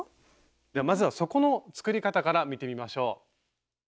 まずは底の作り方から見てみましょう。